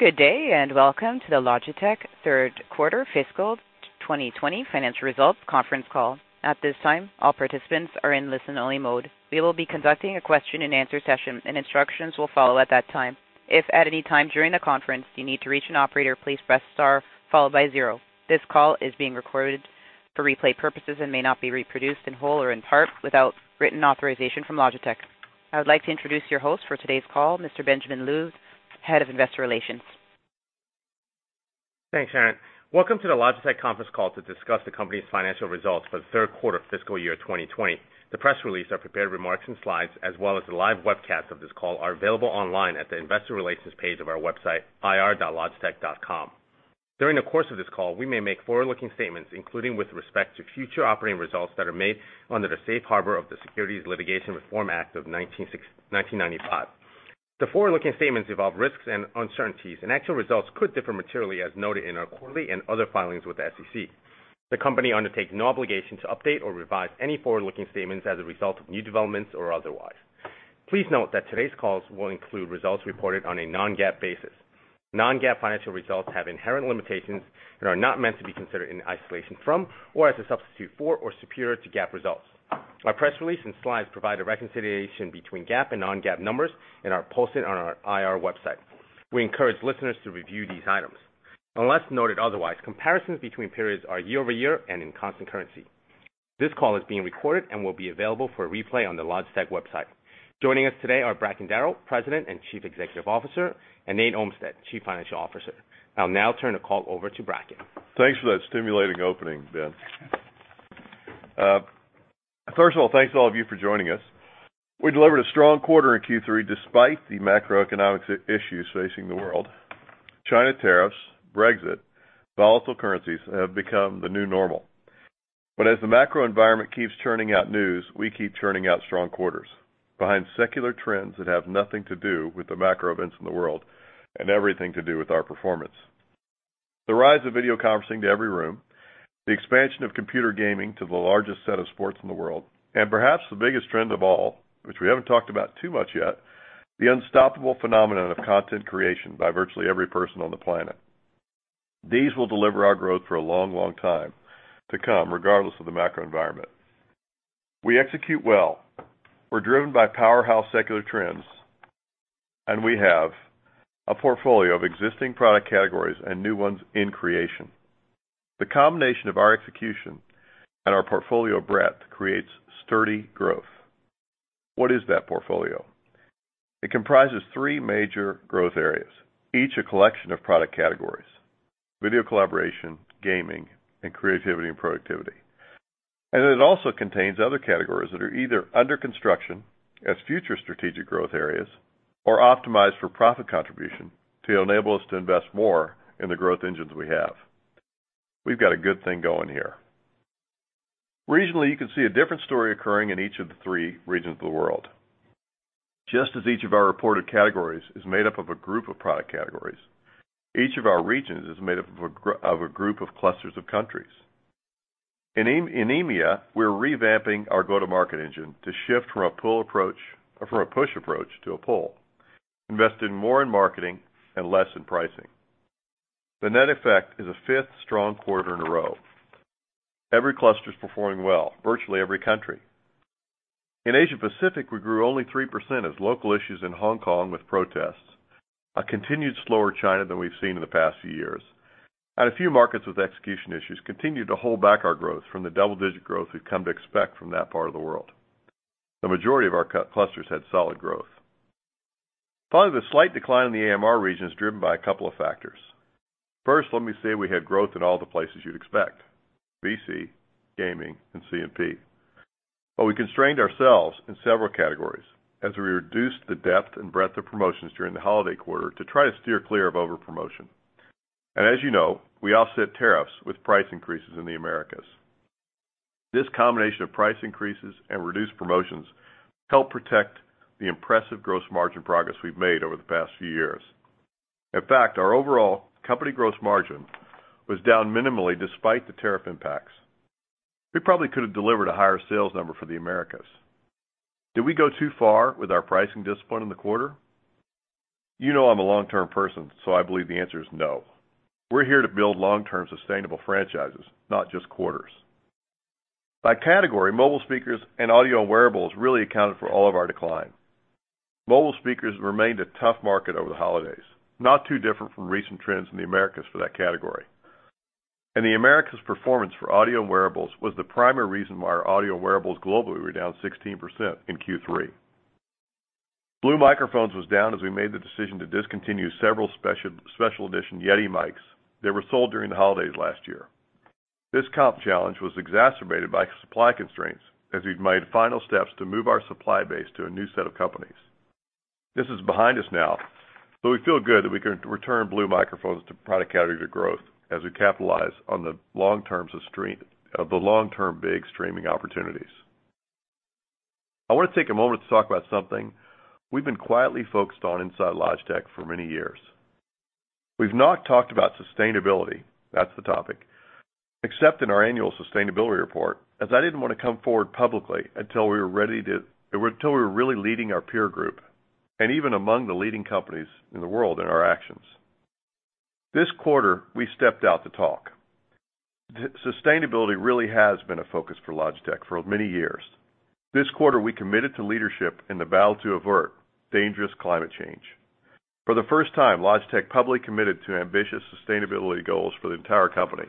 Good day, and welcome to the Logitech third quarter fiscal 2020 financial results conference call. At this time, all participants are in listen only mode. We will be conducting a question and answer session, and instructions will follow at that time. If at any time during the conference you need to reach an operator, please press star followed by zero. This call is being recorded for replay purposes and may not be reproduced in whole or in part without written authorization from Logitech. I would like to introduce your host for today's call, Mr. Benjamin Lu, Head of Investor Relations. Thanks, Sharon. Welcome to the Logitech conference call to discuss the company's financial results for the third quarter fiscal year 2020. The press release, our prepared remarks, and slides, as well as the live webcast of this call, are available online at the investor relations page of our website, ir.logitech.com. During the course of this call, we may make forward-looking statements, including with respect to future operating results that are made under the safe harbor of the Securities Litigation Reform Act of 1995. The forward-looking statements involve risks and uncertainties, and actual results could differ materially, as noted in our quarterly and other filings with the SEC. The company undertakes no obligation to update or revise any forward-looking statements as a result of new developments or otherwise. Please note that today's calls will include results reported on a non-GAAP basis. Non-GAAP financial results have inherent limitations and are not meant to be considered in isolation from or as a substitute for or superior to GAAP results. Our press release and slides provide a reconciliation between GAAP and non-GAAP numbers and are posted on our IR website. We encourage listeners to review these items. Unless noted otherwise, comparisons between periods are year-over-year and in constant currency. This call is being recorded and will be available for replay on the Logitech website. Joining us today are Bracken Darrell, President and Chief Executive Officer, and Nate Olmstead, Chief Financial Officer. I'll now turn the call over to Bracken. Thanks for that stimulating opening, Ben. First of all, thanks to all of you for joining us. We delivered a strong quarter in Q3 despite the macroeconomic issues facing the world. China tariffs, Brexit, volatile currencies have become the new normal. As the macro environment keeps churning out news, we keep churning out strong quarters behind secular trends that have nothing to do with the macro events in the world and everything to do with our performance. The rise of video conferencing to every room, the expansion of computer gaming to the largest set of sports in the world, and perhaps the biggest trend of all, which we haven't talked about too much yet, the unstoppable phenomenon of content creation by virtually every person on the planet. These will deliver our growth for a long, long time to come, regardless of the macro environment. We execute well. We're driven by powerhouse secular trends, and we have a portfolio of existing product categories and new ones in creation. The combination of our execution and our portfolio breadth creates sturdy growth. What is that portfolio? It comprises three major growth areas, each a collection of product categories, video collaboration, gaming, and creativity and productivity. It also contains other categories that are either under construction as future strategic growth areas or optimized for profit contribution to enable us to invest more in the growth engines we have. We've got a good thing going here. Regionally, you can see a different story occurring in each of the three regions of the world. Just as each of our reported categories is made up of a group of product categories, each of our regions is made up of a group of clusters of countries. In EMEA, we're revamping our go-to-market engine to shift from a push approach to a pull, investing more in marketing and less in pricing. The net effect is a fifth strong quarter in a row. Every cluster is performing well, virtually every country. In Asia-Pacific, we grew only 3% as local issues in Hong Kong with protests, a continued slower China than we've seen in the past few years, and a few markets with execution issues continued to hold back our growth from the double-digit growth we've come to expect from that part of the world. The majority of our clusters had solid growth. The slight decline in the AMR region is driven by a couple of factors. First, let me say we had growth in all the places you'd expect, VC, gaming, and CMP. We constrained ourselves in several categories as we reduced the depth and breadth of promotions during the holiday quarter to try to steer clear of over-promotion. As you know, we offset tariffs with price increases in the Americas. This combination of price increases and reduced promotions help protect the impressive gross margin progress we've made over the past few years. In fact, our overall company gross margin was down minimally despite the tariff impacts. We probably could have delivered a higher sales number for the Americas. Did we go too far with our pricing discipline in the quarter? You know I'm a long-term person, so I believe the answer is no. We're here to build long-term sustainable franchises, not just quarters. By category, mobile speakers and audio wearables really accounted for all of our decline. Mobile speakers remained a tough market over the holidays, not too different from recent trends in the Americas for that category. The Americas performance for audio wearables was the primary reason why our audio wearables globally were down 16% in Q3. Blue Microphones was down as we made the decision to discontinue several special edition Yeti mics that were sold during the holidays last year. This comp challenge was exacerbated by supply constraints as we've made final steps to move our supply base to a new set of companies. This is behind us now, but we feel good that we can return Blue Microphones to product category to growth as we capitalize on the long-term big streaming opportunities. I want to take a moment to talk about something we've been quietly focused on inside Logitech for many years. We've not talked about sustainability, that's the topic, except in our annual sustainability report, as I didn't want to come forward publicly until we were really leading our peer group, and even among the leading companies in the world in our actions. This quarter, we stepped up to talk. Sustainability really has been a focus for Logitech for many years. This quarter, we committed to leadership in the vow to avert dangerous climate change. For the first time, Logitech publicly committed to ambitious sustainability goals for the entire company.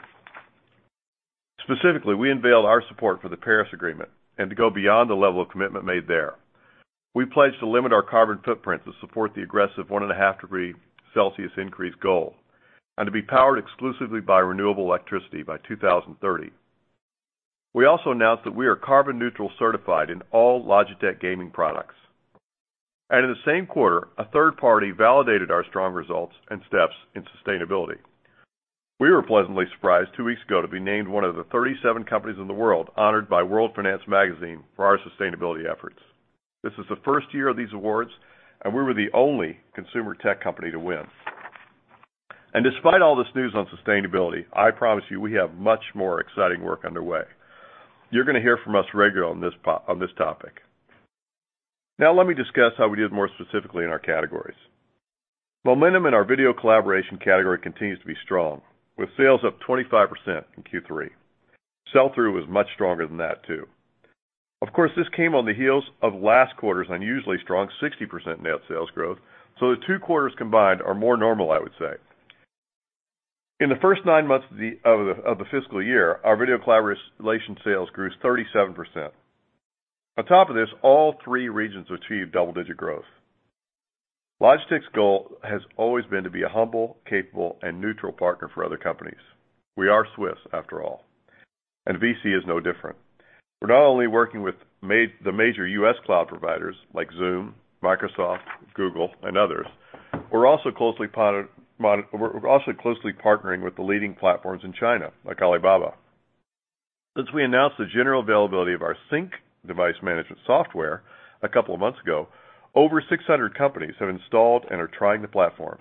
Specifically, we unveiled our support for the Paris Agreement, and to go beyond the level of commitment made there. We pledged to limit our carbon footprint to support the aggressive 1.5 degree Celsius increase goal, and to be powered exclusively by renewable electricity by 2030. We also announced that we are carbon neutral certified in all Logitech gaming products. In the same quarter, a third party validated our strong results and steps in sustainability. We were pleasantly surprised two weeks ago to be named one of the 37 companies in the world honored by World Finance Magazine for our sustainability efforts. This is the first year of these awards, and we were the only consumer tech company to win. Despite all this news on sustainability, I promise you, we have much more exciting work underway. You're going to hear from us regularly on this topic. Now let me discuss how we did more specifically in our categories. Momentum in our video collaboration category continues to be strong, with sales up 25% in Q3. Sell-through was much stronger than that, too. Of course, this came on the heels of last quarter's unusually strong 60% net sales growth, so the two quarters combined are more normal, I would say. In the first nine months of the fiscal year, our video collaboration sales grew 37%. On top of this, all three regions achieved double-digit growth. Logitech's goal has always been to be a humble, capable, and neutral partner for other companies. We are Swiss, after all. VC is no different. We're not only working with the major U.S. cloud providers like Zoom, Microsoft, Google, and others, we're also closely partnering with the leading platforms in China, like Alibaba. Since we announced the general availability of our Sync device management software a couple of months ago, over 600 companies have installed and are trying the platform.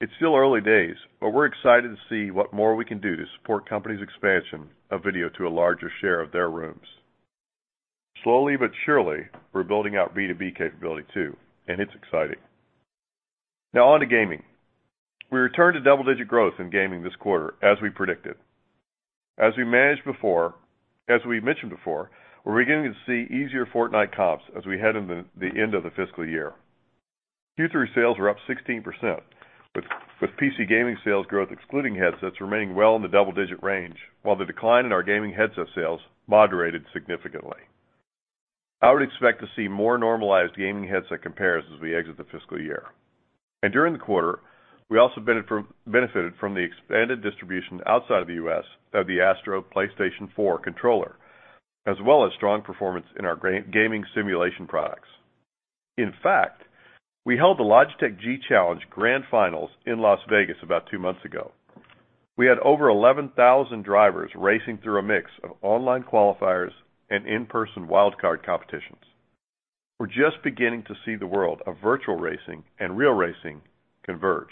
It's still early days, but we're excited to see what more we can do to support companies' expansion of video to a larger share of their rooms. Slowly but surely, we're building out B2B capability too, and it's exciting. Now on to gaming. We returned to double-digit growth in gaming this quarter, as we predicted. As we mentioned before, we're beginning to see easier Fortnite comps as we head into the end of the fiscal year. Q3 sales were up 16%, with PC gaming sales growth, excluding headsets, remaining well in the double-digit range, while the decline in our gaming headset sales moderated significantly. I would expect to see more normalized gaming headset compares as we exit the fiscal year. During the quarter, we also benefited from the expanded distribution outside of the U.S. of the ASTRO PlayStation 4 controller, as well as strong performance in our gaming simulation products. In fact, we held the Logitech G Challenge Grand Finals in Las Vegas about two months ago. We had over 11,000 drivers racing through a mix of online qualifiers and in-person wildcard competitions. We're just beginning to see the world of virtual racing and real racing converge.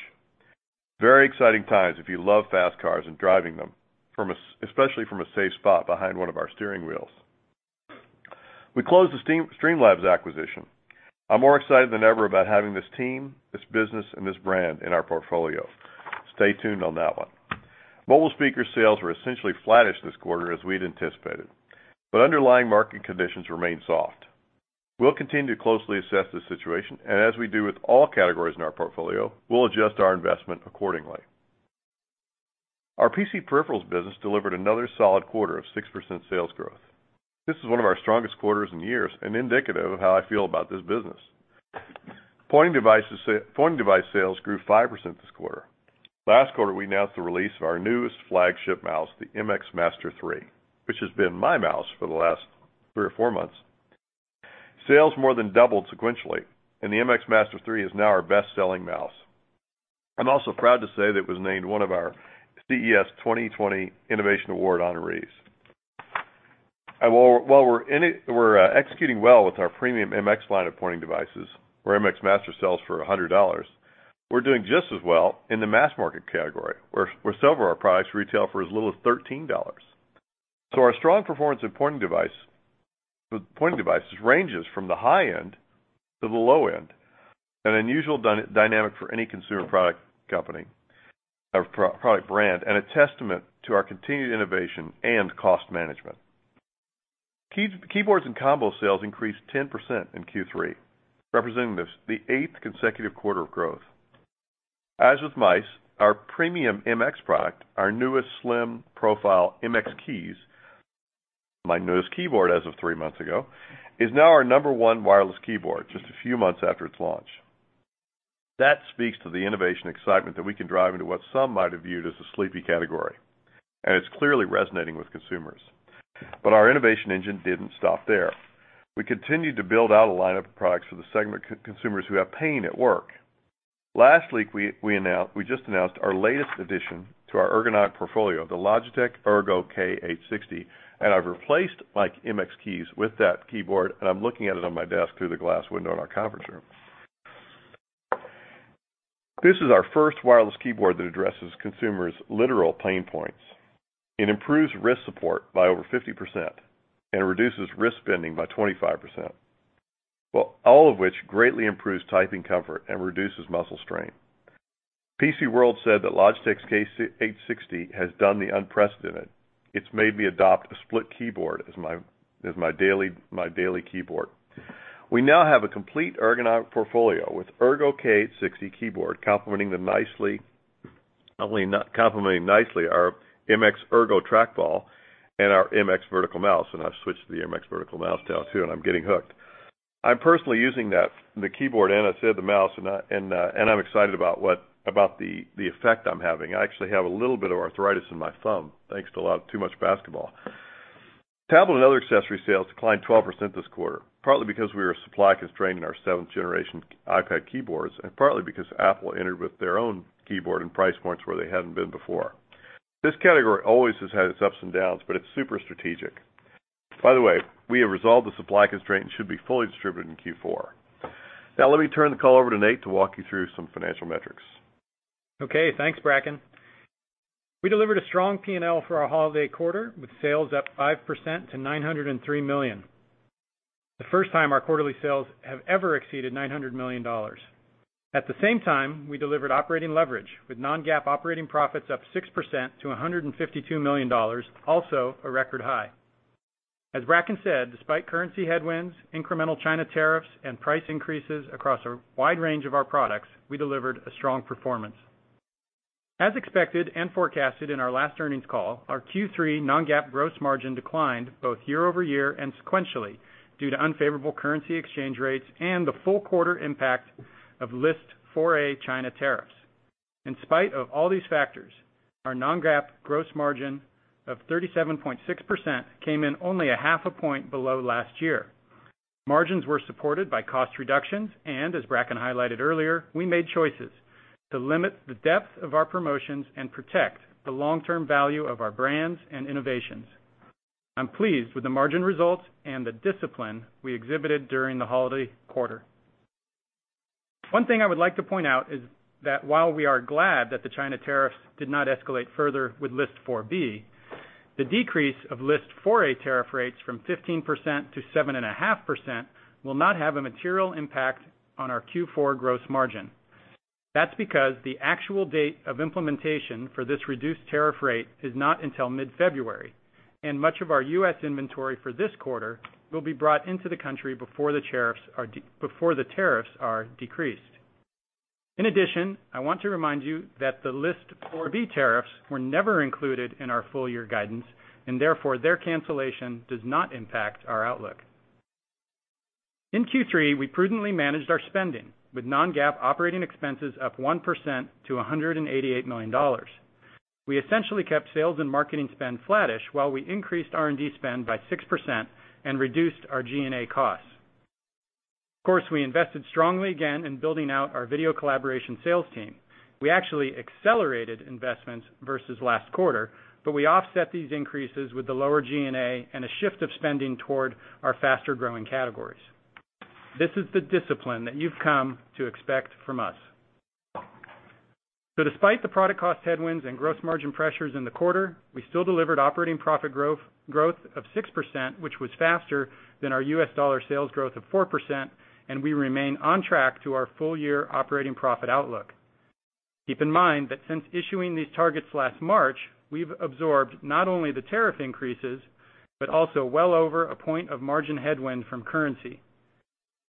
Very exciting times if you love fast cars and driving them, especially from a safe spot behind one of our steering wheels. We closed the Streamlabs acquisition. I'm more excited than ever about having this team, this business, and this brand in our portfolio. Stay tuned on that one. Mobile speaker sales were essentially flattish this quarter as we'd anticipated, but underlying market conditions remained soft. We'll continue to closely assess this situation, and as we do with all categories in our portfolio, we'll adjust our investment accordingly. Our PC peripherals business delivered another solid quarter of 6% sales growth. This is one of our strongest quarters in years and indicative of how I feel about this business. Pointing device sales grew 5% this quarter. Last quarter, we announced the release of our newest flagship mouse, the MX Master 3, which has been my mouse for the last three or four months. Sales more than doubled sequentially, and the MX Master 3 is now our best-selling mouse. I'm also proud to say that it was named one of our CES 2020 Innovation Award honorees. While we're executing well with our premium MX line of pointing devices, where MX Master sells for $100, we're doing just as well in the mass market category, where several of our products retail for as little as $13. Our strong performance in pointing devices ranges from the high end to the low end, an unusual dynamic for any consumer product brand, and a testament to our continued innovation and cost management. Keyboards and combo sales increased 10% in Q3, representing the eighth consecutive quarter of growth. As with mice, our premium MX product, our newest slim profile, MX Keys, my newest keyboard as of three months ago, is now our number one wireless keyboard, just a few months after its launch. That speaks to the innovation excitement that we can drive into what some might have viewed as a sleepy category. It's clearly resonating with consumers. Our innovation engine didn't stop there. We continued to build out a line of products for the segment consumers who have pain at work. Last week, we just announced our latest addition to our ergonomic portfolio, the Logitech ERGO K860, and I've replaced my MX Keys with that keyboard, and I'm looking at it on my desk through the glass window in our conference room. This is our first wireless keyboard that addresses consumers' literal pain points. It improves wrist support by over 50% and reduces wrist bending by 25%, all of which greatly improves typing comfort and reduces muscle strain. PCWorld said that Logitech's K860 has done the unprecedented. It's made me adopt a split keyboard as my daily keyboard. We now have a complete ergonomic portfolio, with ERGO K860 keyboard complementing nicely our MX ERGO Trackball and our MX Vertical Mouse. I've switched to the MX Vertical Mouse now, too, and I'm getting hooked. I'm personally using the keyboard, and I said the mouse, and I'm excited about the effect I'm having. I actually have a little bit of arthritis in my thumb, thanks to too much basketball. Tablet and other accessory sales declined 12% this quarter, partly because we were supply-constrained in our 7th generation iPad keyboards, and partly because Apple entered with their own keyboard and price points where they hadn't been before. This category always has had its ups and downs, but it's super strategic. By the way, we have resolved the supply constraint and should be fully distributed in Q4. Now let me turn the call over to Nate to walk you through some financial metrics. Okay, thanks, Bracken. We delivered a strong P&L for our holiday quarter, with sales up 5% to $903 million. The first time our quarterly sales have ever exceeded $900 million. At the same time, we delivered operating leverage, with non-GAAP operating profits up 6% to $152 million, also a record high. As Bracken said, despite currency headwinds, incremental China tariffs, and price increases across a wide range of our products, we delivered a strong performance. As expected and forecasted in our last earnings call, our Q3 non-GAAP gross margin declined both year-over-year and sequentially due to unfavorable currency exchange rates and the full quarter impact of List 4A China tariffs. In spite of all these factors, our non-GAAP gross margin of 37.6% came in only a half a point below last year. Margins were supported by cost reductions. As Bracken highlighted earlier, we made choices to limit the depth of our promotions and protect the long-term value of our brands and innovations. I'm pleased with the margin results and the discipline we exhibited during the holiday quarter. One thing I would like to point out is that while we are glad that the China tariffs did not escalate further with List 4B, the decrease of List 4A tariff rates from 15% to 7.5% will not have a material impact on our Q4 gross margin. That's because the actual date of implementation for this reduced tariff rate is not until mid-February. Much of our U.S. inventory for this quarter will be brought into the country before the tariffs are decreased. In addition, I want to remind you that the List 4B tariffs were never included in our full-year guidance, and therefore, their cancellation does not impact our outlook. In Q3, we prudently managed our spending, with non-GAAP operating expenses up 1% to $188 million. We essentially kept sales and marketing spend flattish while we increased R&D spend by 6% and reduced our G&A costs. Of course, we invested strongly again in building out our video collaboration sales team. We actually accelerated investments versus last quarter, but we offset these increases with the lower G&A and a shift of spending toward our faster-growing categories. This is the discipline that you've come to expect from us. Despite the product cost headwinds and gross margin pressures in the quarter, we still delivered operating profit growth of 6%, which was faster than our U.S. dollar sales growth of 4%, and we remain on track to our full-year operating profit outlook. Keep in mind that since issuing these targets last March, we've absorbed not only the tariff increases but also well over a point of margin headwind from currency.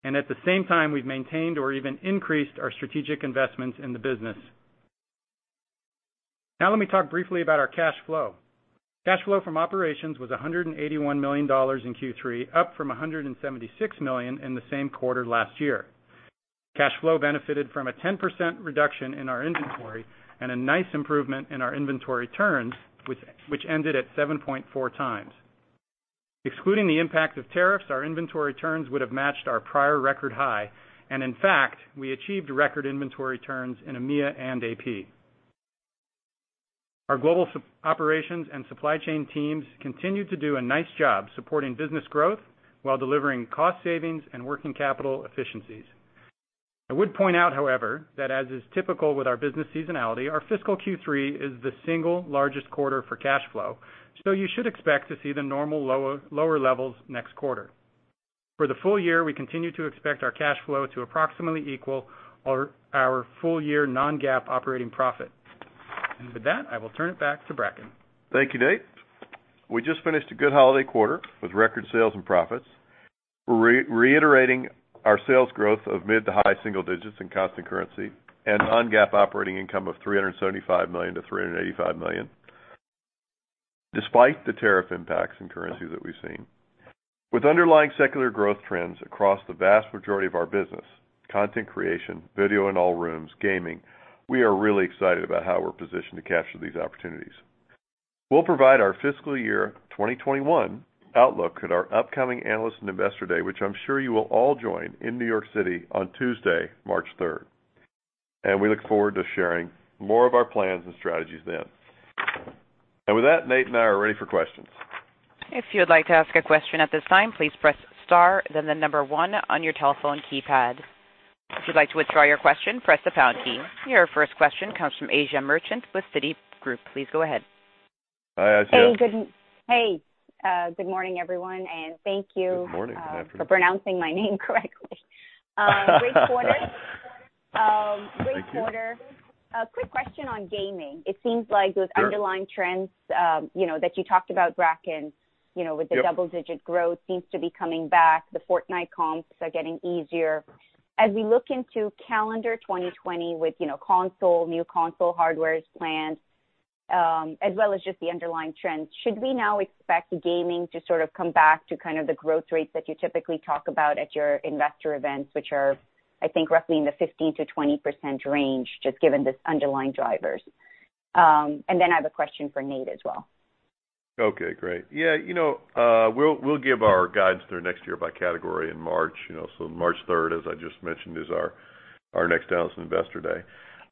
At the same time, we've maintained or even increased our strategic investments in the business. Now let me talk briefly about our cash flow. Cash flow from operations was $181 million in Q3, up from $176 million in the same quarter last year. Cash flow benefited from a 10% reduction in our inventory and a nice improvement in our inventory turns, which ended at 7.4 times. Excluding the impact of tariffs, our inventory turns would have matched our prior record high, and in fact, we achieved record inventory turns in EMEA and AP. Our global operations and supply chain teams continued to do a nice job supporting business growth while delivering cost savings and working capital efficiencies. I would point out, however, that as is typical with our business seasonality, our fiscal Q3 is the single largest quarter for cash flow. You should expect to see the normal lower levels next quarter. For the full year, we continue to expect our cash flow to approximately equal our full-year non-GAAP operating profit. With that, I will turn it back to Bracken. Thank you, Nate. We just finished a good holiday quarter with record sales and profits, reiterating our sales growth of mid to high single digits in constant currency and non-GAAP operating income of $375 million-$385 million, despite the tariff impacts and currency that we've seen. With underlying secular growth trends across the vast majority of our business, content creation, video in all rooms, gaming, we are really excited about how we are positioned to capture these opportunities. We'll provide our fiscal year 2021 outlook at our upcoming Analyst and Investor Day, which I'm sure you will all join in New York City on Tuesday, March 3rd. We look forward to sharing more of our plans and strategies then. With that, Nate and I are ready for questions. If you would like to ask a question at this time, please press star then the number one on your telephone keypad. If you'd like to withdraw your question, press the pound key. Your first question comes from Asiya Merchant with Citigroup. Please go ahead. Hi, Asiya. Hey. Good morning, everyone. Thank you for pronouncing my name correctly. Good morning, good afternoon. Great quarter. Thank you. Quick question on gaming. It seems like those underlying trends that you talked about, Bracken, with the double-digit growth seems to be coming back. The Fortnite comps are getting easier. As we look into calendar 2020 with new console hardwares planned, as well as just the underlying trends, should we now expect gaming to sort of come back to kind of the growth rates that you typically talk about at your investor events, which are, I think, roughly in the 15%-20% range, just given these underlying drivers? I have a question for Nate as well. Okay, great. We'll give our guidance for next year by category in March. March 3rd, as I just mentioned, is our next analyst investor day.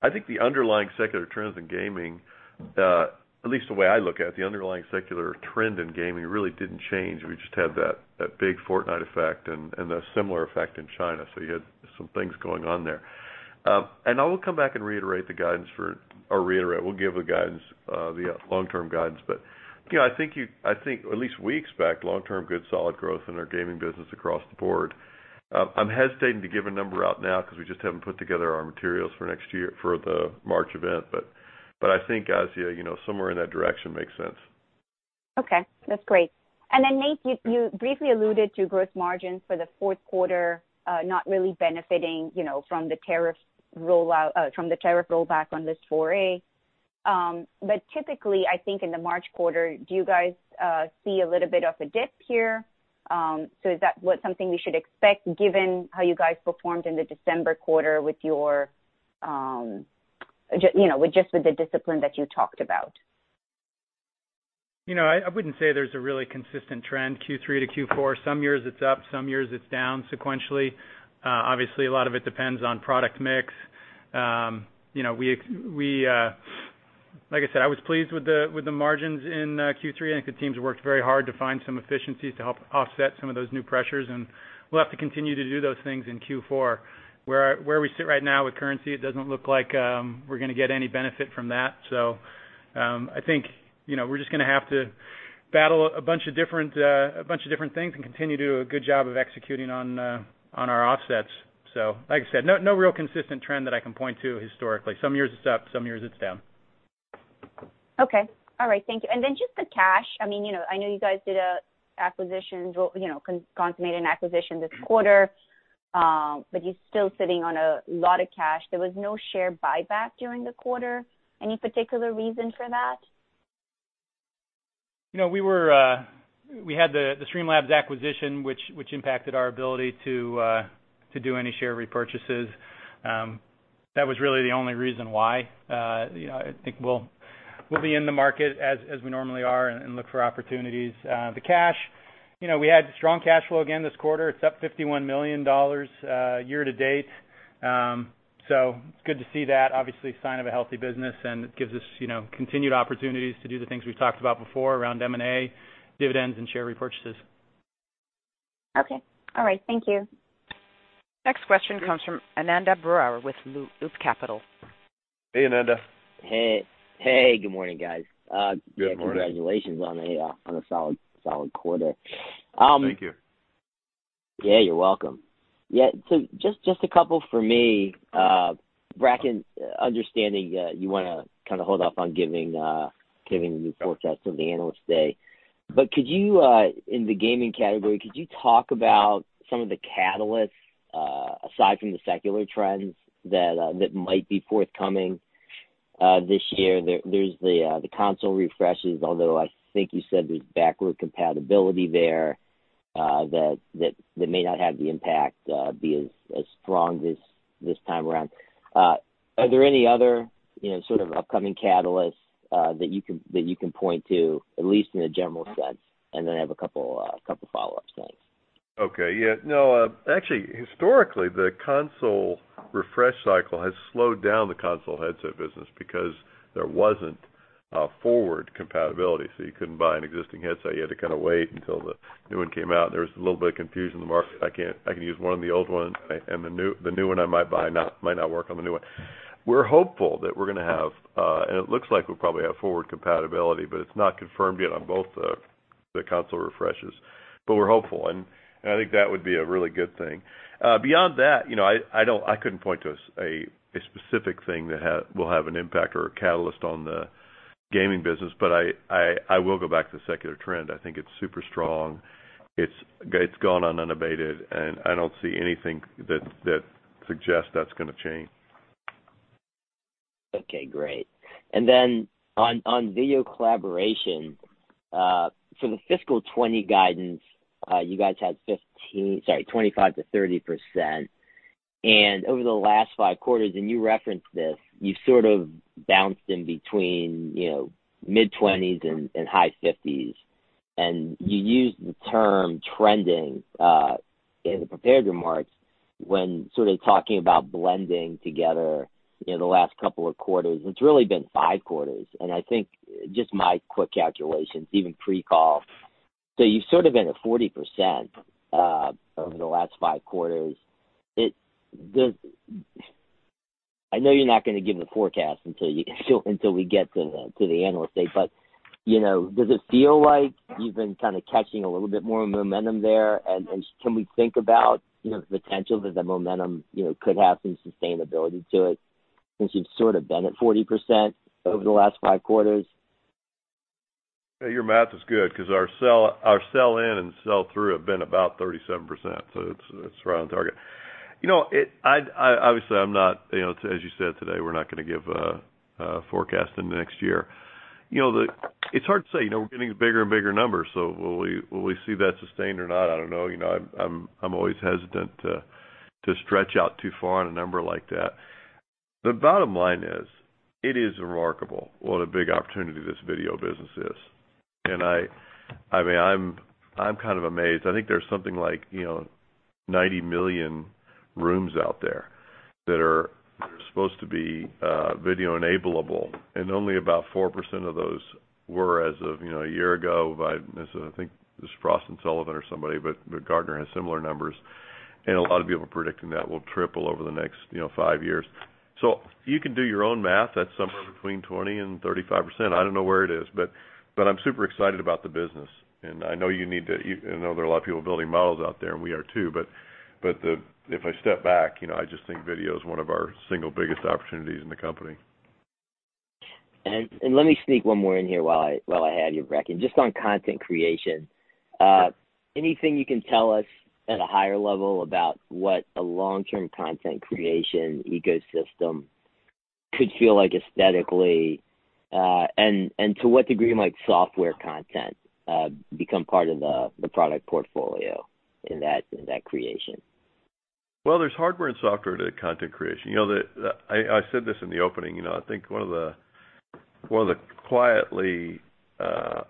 I think the underlying secular trends in gaming, at least the way I look at it, the underlying secular trend in gaming really didn't change. We just had that big Fortnite effect and a similar effect in China. You had some things going on there. I will come back and reiterate, we'll give the long-term guidance. I think at least we expect long-term good solid growth in our gaming business across the board. I'm hesitating to give a number out now because we just haven't put together our materials for next year for the March event. I think, Asiya, somewhere in that direction makes sense. Okay, that's great. Nate, you briefly alluded to gross margins for the fourth quarter, not really benefiting from the tariff rollback on List 4A. Typically, I think in the March quarter, do you guys see a little bit of a dip here? Is that something we should expect given how you guys performed in the December quarter with just the discipline that you talked about? I wouldn't say there's a really consistent trend, Q3 to Q4. Some years it's up, some years it's down sequentially. Obviously, a lot of it depends on product mix. Like I said, I was pleased with the margins in Q3, and I think the teams worked very hard to find some efficiencies to help offset some of those new pressures, and we'll have to continue to do those things in Q4. Where we sit right now with currency, it doesn't look like we're going to get any benefit from that. I think we're just going to have to battle a bunch of different things and continue to do a good job of executing on our offsets. Like I said, no real consistent trend that I can point to historically. Some years it's up, some years it's down. Okay. All right. Thank you. Just the cash. I know you guys did an acquisition, well, consummated an acquisition this quarter. You're still sitting on a lot of cash. There was no share buyback during the quarter. Any particular reason for that? We had the Streamlabs acquisition, which impacted our ability to do any share repurchases. That was really the only reason why. I think we'll be in the market as we normally are and look for opportunities. The cash, we had strong cash flow again this quarter. It's up $51 million year to date. It's good to see that. Obviously, a sign of a healthy business, and it gives us continued opportunities to do the things we've talked about before around M&A, dividends, and share repurchases. Okay. All right. Thank you. Next question comes from Ananda Baruah with Loop Capital. Hey, Ananda. Hey. Good morning, guys. Good morning. Congratulations on a solid quarter. Thank you. Yeah, you're welcome. Yeah. Just a couple from me. Bracken, understanding you want to kind of hold off on giving the new forecast till the analyst day. In the gaming category, could you talk about some of the catalysts, aside from the secular trends, that might be forthcoming this year? There's the console refreshes, although I think you said there's backward compatibility there that may not have the impact be as strong this time around. Are there any other sort of upcoming catalysts that you can point to, at least in a general sense? I have a couple follow-ups. Thanks. Okay. Yeah. Actually, historically, the console refresh cycle has slowed down the console headset business because there wasn't a forward compatibility, so you couldn't buy an existing headset. You had to kind of wait until the new one came out. There was a little bit of confusion in the market. I can use one of the old ones. The new one I might buy might not work on the new one. We're hopeful that we're going to have and it looks like we'll probably have forward compatibility. It's not confirmed yet on both of the console refreshes. We're hopeful. I think that would be a really good thing. Beyond that, I couldn't point to a specific thing that will have an impact or a catalyst on the gaming business. I will go back to the secular trend. I think it's super strong. It's gone on unabated, and I don't see anything that suggests that's going to change. Okay, great. On video collaboration, for the fiscal 2020 guidance, you guys had 15%, sorry, 25%-30%. Over the last five quarters, and you referenced this, you sort of bounced in between mid-20s and high 50s. You used the term trending in the prepared remarks when sort of talking about blending together the last couple of quarters, it's really been five quarters, and I think just my quick calculations, even pre-call. You've sort of been at 40% over the last five quarters. I know you're not going to give the forecast until we get to the Analyst Day, but does it feel like you've been kind of catching a little bit more momentum there? Can we think about the potential that momentum could have some sustainability to it since you've sort of been at 40% over the last five quarters? Your math is good because our sell-in and sell-through have been about 37%, so it's right on target. Obviously, as you said today, we're not going to give a forecast in the next year. It's hard to say. We're getting bigger and bigger numbers, so will we see that sustained or not? I don't know. I'm always hesitant to stretch out too far on a number like that. The bottom line is, it is remarkable what a big opportunity this video business is. I'm kind of amazed. I think there's something like 90 million rooms out there that are supposed to be video-enableable, and only about 4% of those were as of a year ago by, I think it was Frost & Sullivan or somebody, but Gartner has similar numbers, and a lot of people are predicting that will triple over the next five years. You can do your own math. That's somewhere between 20% and 35%. I don't know where it is, but I'm super excited about the business, and I know there are a lot of people building models out there, and we are too. If I step back, I just think video is one of our single biggest opportunities in the company. Let me sneak one more in here while I have you, Brack. Just on content creation, anything you can tell us at a higher level about what a long-term content creation ecosystem could feel like aesthetically, and to what degree might software content become part of the product portfolio in that creation? There's hardware and software to content creation. I said this in the opening. I think one of the quietly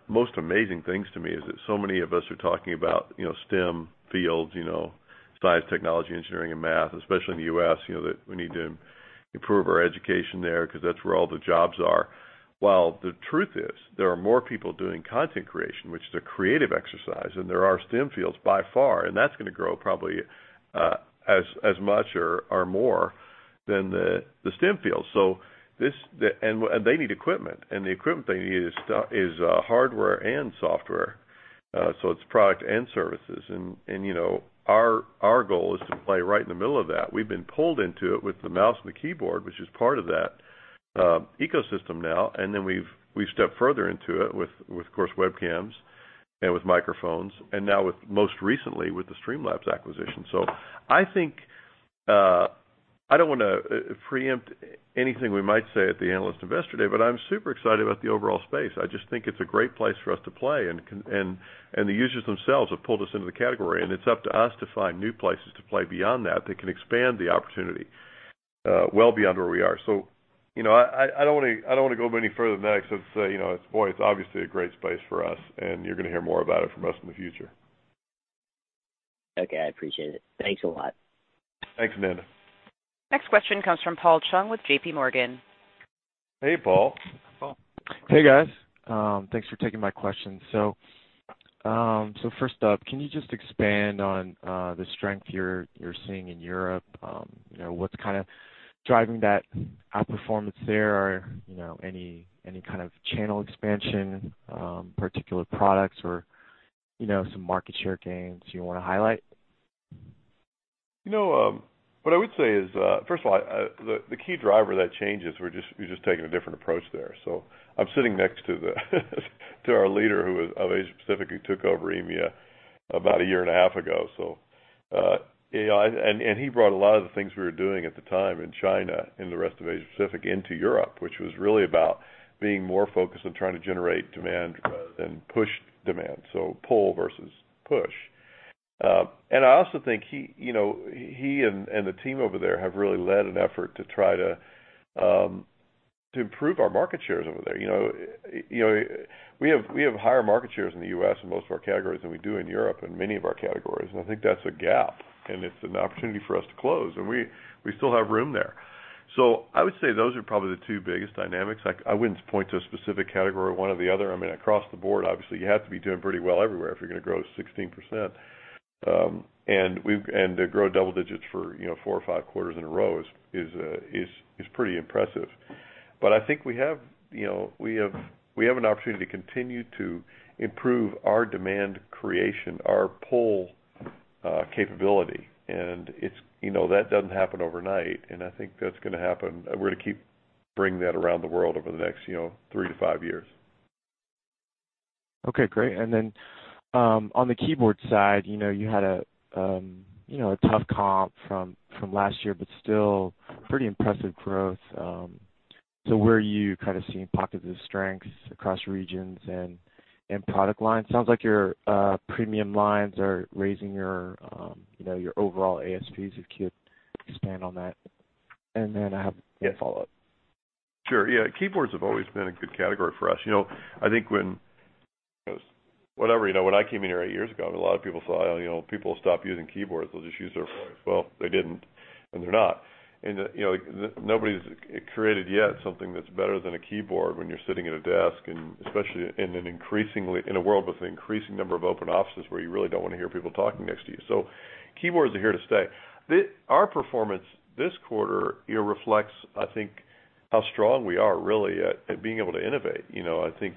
most amazing things to me is that so many of us are talking about STEM fields, science, technology, engineering, and math, especially in the U.S., that we need to improve our education there because that's where all the jobs are. While the truth is, there are more people doing content creation, which is a creative exercise, than there are STEM fields by far, and that's going to grow probably as much or more than the STEM fields. They need equipment, and the equipment they need is hardware and software, so it's product and services. Our goal is to play right in the middle of that. We've been pulled into it with the mouse and the keyboard, which is part of that ecosystem now, and then we've stepped further into it with, of course, webcams and with microphones, and now most recently with the Streamlabs acquisition. I don't want to preempt anything we might say at the Analyst Investor Day, but I'm super excited about the overall space. I just think it's a great place for us to play, and the users themselves have pulled us into the category, and it's up to us to find new places to play beyond that can expand the opportunity well beyond where we are. I don't want to go any further than that, except to say, boy, it's obviously a great space for us, and you're going to hear more about it from us in the future. Okay, I appreciate it. Thanks a lot. Thanks, Ananda. Next question comes from Paul Chung with JPMorgan. Hey, Paul. Hey, guys. Thanks for taking my question. First up, can you just expand on the strength you're seeing in Europe? What's kind of driving that outperformance there? Any kind of channel expansion, particular products or some market share gains you want to highlight? What I would say is, first of all, the key driver of that change is we're just taking a different approach there. I'm sitting next to our leader of Asia-Pacific, who took over EMEA about a year and a half ago. He brought a lot of the things we were doing at the time in China and the rest of Asia-Pacific into Europe, which was really about being more focused on trying to generate demand rather than push demand, so pull versus push. I also think he and the team over there have really led an effort to try to improve our market shares over there. We have higher market shares in the U.S. in most of our categories than we do in Europe in many of our categories. I think that's a gap, and it's an opportunity for us to close, and we still have room there. I would say those are probably the two biggest dynamics. I wouldn't point to a specific category, one or the other. Across the board, obviously, you have to be doing pretty well everywhere if you're going to grow 16%. To grow double digits for four or five quarters in a row is pretty impressive. I think we have an opportunity to continue to improve our demand creation, our pull capability, and that doesn't happen overnight. I think that's going to happen. We're going to keep bringing that around the world over the next three to five years. Okay, great. On the keyboard side, you had a tough comp from last year, but still pretty impressive growth. Where are you kind of seeing pockets of strengths across regions and product lines? Sounds like your premium lines are raising your overall ASPs, if you could expand on that. I have a follow-up. Sure. Yeah, keyboards have always been a good category for us. I think when I came in here eight years ago, a lot of people thought, "Oh, people will stop using keyboards. They'll just use their voice." Well, they didn't, and they're not. Nobody's created yet something that's better than a keyboard when you're sitting at a desk, and especially in a world with an increasing number of open offices where you really don't want to hear people talking next to you. Keyboards are here to stay. Our performance this quarter reflects, I think, how strong we are really at being able to innovate. I think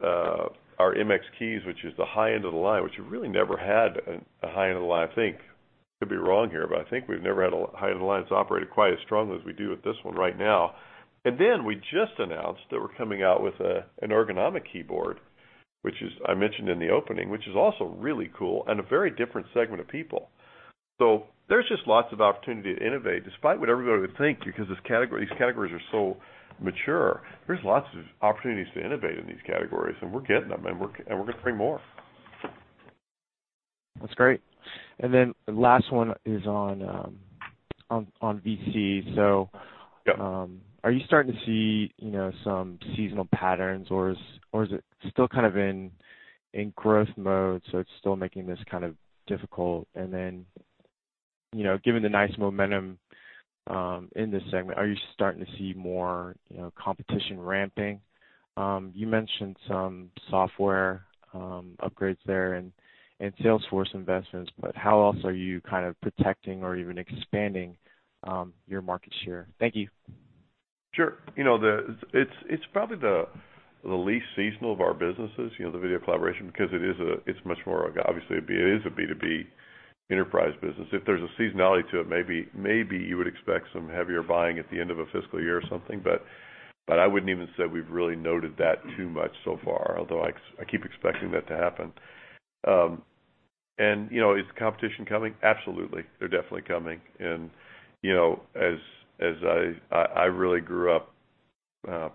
our MX Keys, which is the high end of the line, which we really never had a high end of the line, I think. Could be wrong here, but I think we've never had a high end of the line that's operated quite as strongly as we do with this one right now. We just announced that we're coming out with an ergonomic keyboard, which I mentioned in the opening, which is also really cool and a very different segment of people. There's just lots of opportunity to innovate, despite what everybody would think, because these categories are so mature. There's lots of opportunities to innovate in these categories, and we're getting them, and we're going to bring more. That's great. The last one is on VC. Yep. Are you starting to see some seasonal patterns, or is it still kind of in growth mode, so it's still making this kind of difficult? Given the nice momentum in this segment, are you starting to see more competition ramping? You mentioned some software upgrades there and sales force investments, how else are you kind of protecting or even expanding your market share? Thank you. Sure. It's probably the least seasonal of our businesses, the video collaboration, because it's much more, obviously, it is a B2B enterprise business. If there's a seasonality to it, maybe you would expect some heavier buying at the end of a fiscal year or something, but I wouldn't even say we've really noted that too much so far, although I keep expecting that to happen. Is the competition coming? Absolutely. They're definitely coming. As I really grew up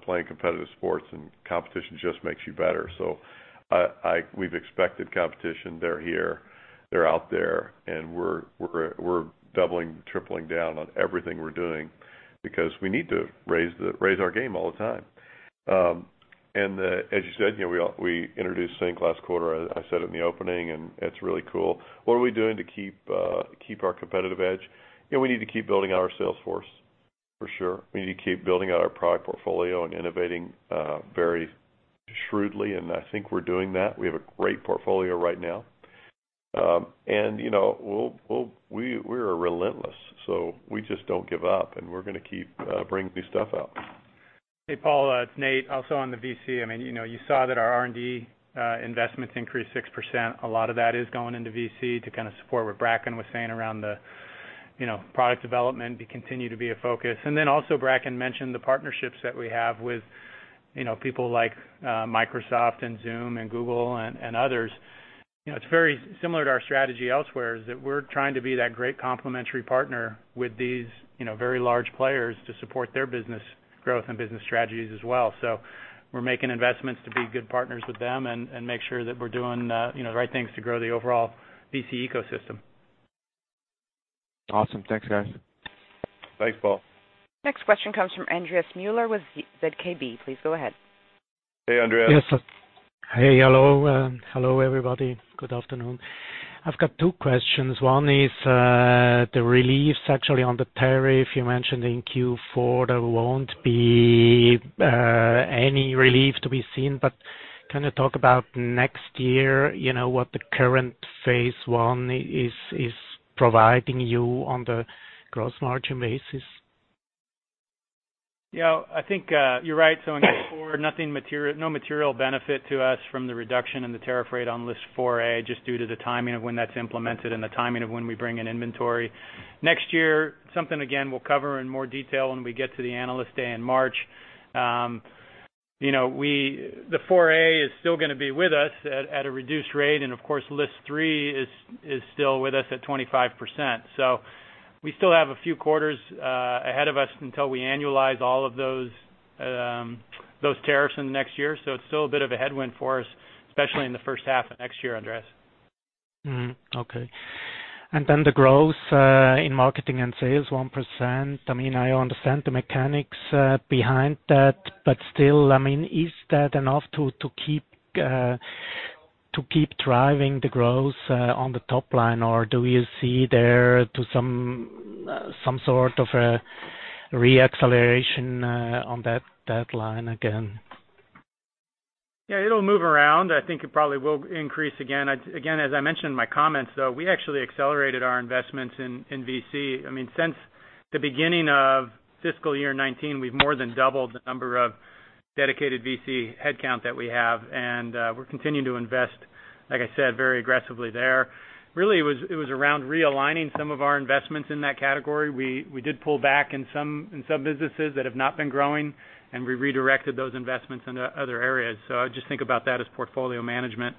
playing competitive sports, and competition just makes you better, so we've expected competition. They're here, they're out there, and we're doubling, tripling down on everything we're doing because we need to raise our game all the time. As you said, we introduced Sync last quarter. I said it in the opening, and it's really cool. What are we doing to keep our competitive edge? We need to keep building out our sales force, for sure. We need to keep building out our product portfolio and innovating very shrewdly, and I think we're doing that. We have a great portfolio right now. We are relentless, so we just don't give up, and we're going to keep bringing new stuff out. Hey, Paul, it's Nate. Also on the VC, you saw that our R&D investments increased 6%. A lot of that is going into VC to kind of support what Bracken was saying around the product development to continue to be a focus. Also Bracken mentioned the partnerships that we have with people like Microsoft and Zoom and Google and others. It's very similar to our strategy elsewhere, is that we're trying to be that great complementary partner with these very large players to support their business growth and business strategies as well. We're making investments to be good partners with them and make sure that we're doing the right things to grow the overall VC ecosystem. Awesome. Thanks, guys. Thanks, Paul. Next question comes from Andreas Müller with ZKB. Please go ahead. Hey, Andreas. Yes, sir. Hey. Hello, everybody. Good afternoon. I've got two questions. One is the relief actually on the tariff. You mentioned in Q4 there won't be any relief to be seen, but can you talk about next year, what the current phase I is providing you on the gross margin basis? Yeah, I think you're right. In Q4, no material benefit to us from the reduction in the tariff rate on List 4A, just due to the timing of when that's implemented and the timing of when we bring in inventory. Next year, something, again, we'll cover in more detail when we get to the Analyst Day in March. The 4A is still going to be with us at a reduced rate, and of course, List 3 is still with us at 25%. We still have a few quarters ahead of us until we annualize all of those tariffs in the next year. It's still a bit of a headwind for us, especially in the first half of next year, Andreas. Okay. The growth in marketing and sales, 1%. I understand the mechanics behind that, but still, is that enough to keep driving the growth on the top line, or do you see there to some sort of re-acceleration on that line again? Yeah, it'll move around. I think it probably will increase again. As I mentioned in my comments, though, we actually accelerated our investments in VC. Since the beginning of fiscal year 2019, we've more than doubled the number of dedicated VC headcount that we have, and we're continuing to invest, like I said, very aggressively there. It was around realigning some of our investments in that category. We did pull back in some businesses that have not been growing, and we redirected those investments into other areas. I just think about that as portfolio management.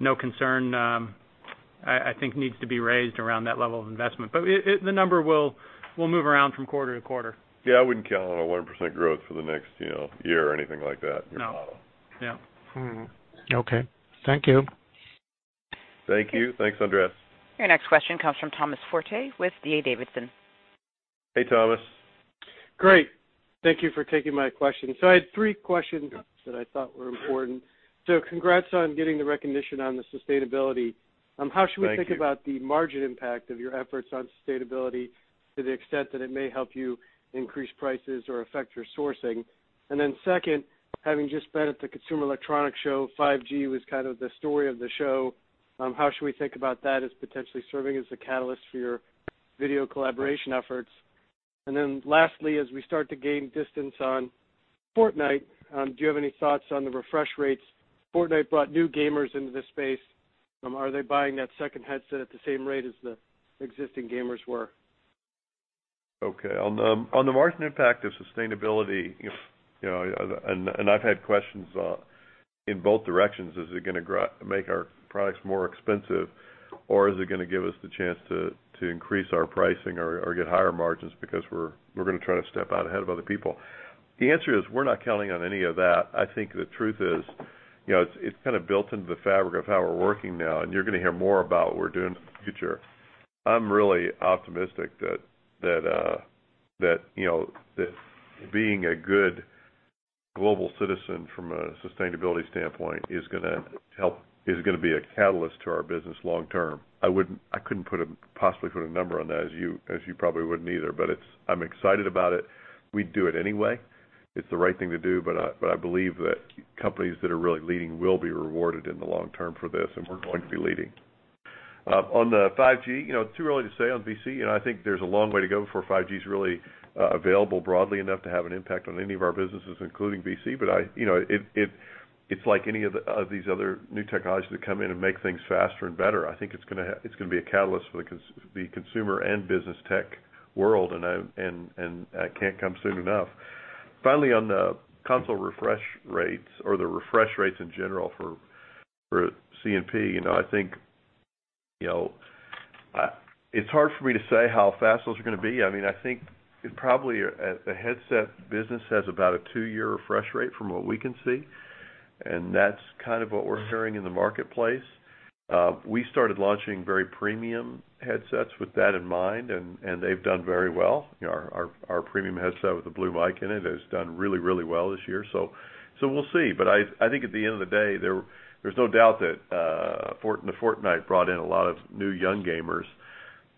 No concern, I think, needs to be raised around that level of investment. The number will move around from quarter to quarter. Yeah, I wouldn't count on a 1% growth for the next year or anything like that in your model. Yeah. Okay. Thank you. Thank you. Thanks, Andreas. Your next question comes from Thomas Forte with D.A. Davidson. Hey, Thomas. Great. Thank you for taking my question. I had three questions that I thought were important. Congrats on getting the recognition on the sustainability. Thank you. How should we think about the margin impact of your efforts on sustainability to the extent that it may help you increase prices or affect your sourcing? Second, having just been at the Consumer Electronics Show, 5G was kind of the story of the show. How should we think about that as potentially serving as a catalyst for your video collaboration efforts? Lastly, as we start to gain distance on Fortnite, do you have any thoughts on the refresh rates? Fortnite brought new gamers into this space. Are they buying that second headset at the same rate as the existing gamers were? Okay. On the margin impact of sustainability, I've had questions in both directions, is it going to make our products more expensive or is it going to give us the chance to increase our pricing or get higher margins because we're going to try to step out ahead of other people? The answer is, we're not counting on any of that. I think the truth is, it's kind of built into the fabric of how we're working now, you're going to hear more about what we're doing in the future. I'm really optimistic that being a good global citizen from a sustainability standpoint is going to be a catalyst to our business long term. I couldn't possibly put a number on that, as you probably wouldn't either, I'm excited about it. We'd do it anyway. It's the right thing to do. I believe that companies that are really leading will be rewarded in the long term for this, and we're going to be leading. On the 5G, too early to say on VC, and I think there's a long way to go before 5G is really available broadly enough to have an impact on any of our businesses, including VC. It's like any of these other new technologies that come in and make things faster and better. I think it's going to be a catalyst for the consumer and business tech world, and it can't come soon enough. Finally, on the console refresh rates or the refresh rates in general for CMP, I think it's hard for me to say how fast those are going to be. I think probably the headset business has about a two-year refresh rate from what we can see, and that's kind of what we're hearing in the marketplace. We started launching very premium headsets with that in mind, and they've done very well. Our premium headset with the Blue Mic in it has done really, really well this year. We'll see. I think at the end of the day, there's no doubt that Fortnite brought in a lot of new young gamers,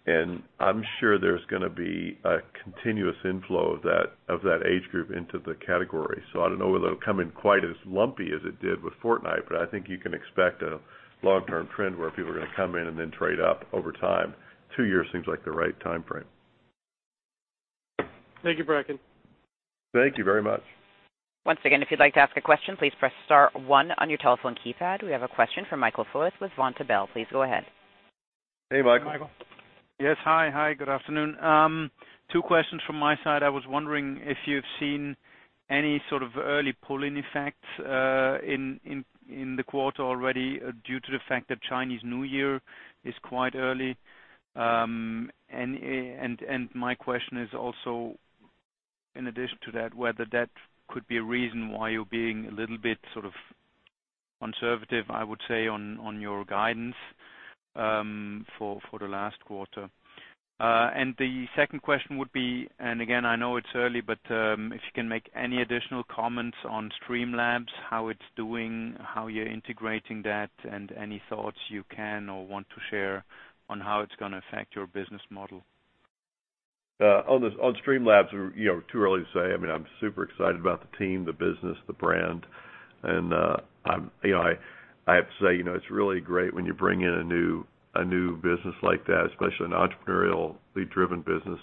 and I'm sure there's going to be a continuous inflow of that age group into the category. I don't know whether it'll come in quite as lumpy as it did with Fortnite, but I think you can expect a long-term trend where people are going to come in and then trade up over time. Two years seems like the right time frame. Thank you, Bracken. Thank you very much. Once again, if you'd like to ask a question, please press star one on your telephone keypad. We have a question from Michael Foeth with Vontobel. Please go ahead. Hey, Michael. Yes. Hi, good afternoon. Two questions from my side. I was wondering if you've seen any sort of early pull-in effects in the quarter already due to the fact that Chinese New Year is quite early. My question is also, in addition to that, whether that could be a reason why you're being a little bit sort of conservative, I would say, on your guidance for the last quarter. The second question would be, and again, I know it's early, but if you can make any additional comments on Streamlabs, how it's doing, how you're integrating that, and any thoughts you can or want to share on how it's going to affect your business model. Streamlabs, too early to say. I'm super excited about the team, the business, the brand. I have to say, it's really great when you bring in a new business like that, especially an entrepreneurially driven business.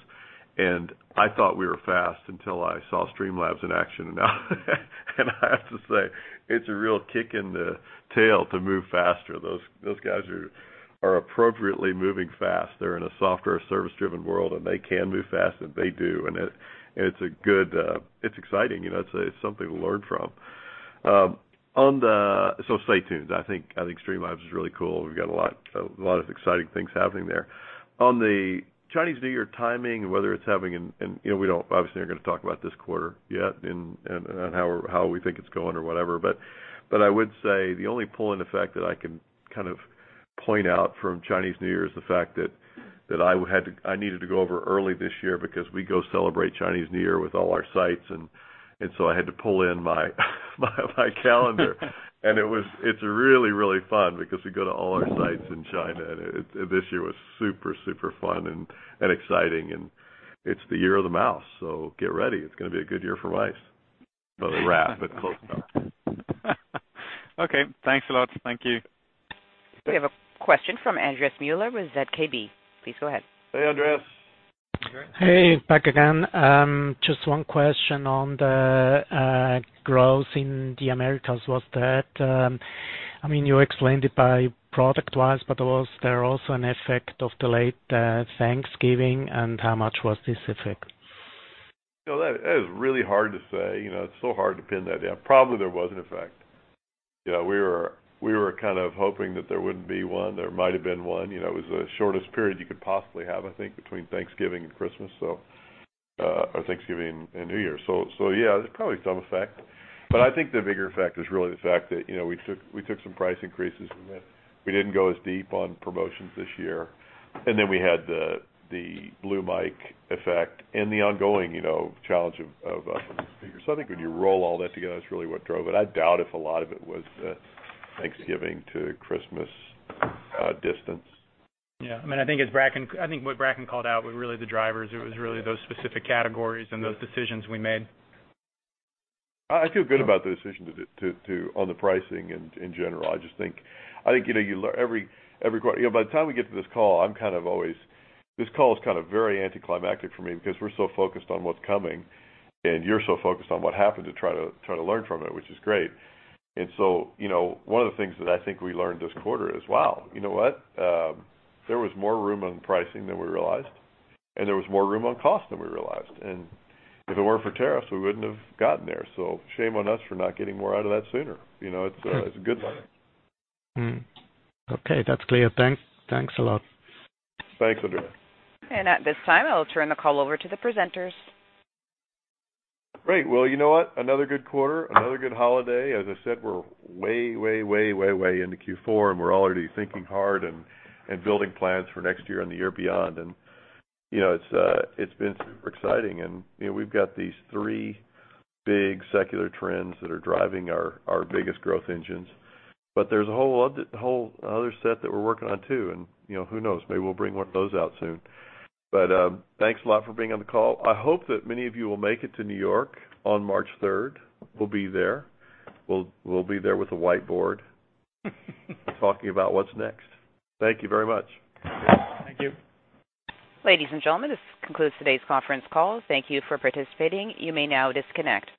I thought we were fast until I saw Streamlabs in action, and I have to say, it's a real kick in the tail to move faster. Those guys are appropriately moving fast. They're in a software service driven world, and they can move fast, and they do. It's exciting, it's something to learn from. Stay tuned. I think Streamlabs is really cool. We've got a lot of exciting things happening there. The Chinese New Year timing and whether it's having, and we obviously aren't going to talk about this quarter yet and on how we think it's going or whatever. I would say the only pull-in effect that I can kind of point out from Chinese New Year is the fact that I needed to go over early this year because we go celebrate Chinese New Year with all our sites, and so I had to pull in my calendar. It's really, really fun because we go to all our sites in China, and this year was super fun and exciting. It's the year of the mouse, so get ready. It's going to be a good year for mice. The rat, but close enough. Okay, thanks a lot. Thank you. We have a question from Andreas Müller with ZKB. Please go ahead. Hey, Andreas. Hey, back again. Just one question on the growth in the Americas. You explained it by product wise, but was there also an effect of delayed Thanksgiving, and how much was this effect? That is really hard to say. It's so hard to pin that down. Probably there was an effect. We were kind of hoping that there wouldn't be one. There might've been one. It was the shortest period you could possibly have, I think, between Thanksgiving and Christmas, or Thanksgiving and New Year. Yeah, there's probably some effect. I think the bigger effect is really the fact that we took some price increases and we didn't go as deep on promotions this year. We had the Blue Mic effect and the ongoing challenge of these figures. I think when you roll all that together, that's really what drove it. I doubt if a lot of it was the Thanksgiving to Christmas distance. Yeah. I think what Bracken called out were really the drivers. It was really those specific categories and those decisions we made. I feel good about the decision on the pricing in general. By the time we get to this call, this call is very anticlimactic for me because we're so focused on what's coming, and you're so focused on what happened to try to learn from it, which is great. One of the things that I think we learned this quarter is, "Wow. You know what? There was more room on pricing than we realized, and there was more room on cost than we realized." If it weren't for tariffs, we wouldn't have gotten there. Shame on us for not getting more out of that sooner. It's a good learning. Okay, that's clear. Thanks a lot. Thanks, Andreas. At this time, I will turn the call over to the presenters. Great. Well, you know what? Another good quarter, another good holiday. As I said, we're way, way in the Q4, and we're already thinking hard and building plans for next year and the year beyond. It's been super exciting. We've got these three big secular trends that are driving our biggest growth engines. There's a whole other set that we're working on, too. Who knows? Maybe we'll bring one of those out soon. Thanks a lot for being on the call. I hope that many of you will make it to New York on March 3rd. We'll be there. We'll be there with a whiteboard talking about what's next. Thank you very much. Thank you. Ladies and gentlemen, this concludes today's conference call. Thank you for participating. You may now disconnect.